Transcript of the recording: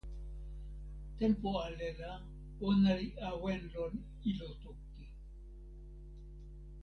tenpo ale la ona li awen lon ilo toki.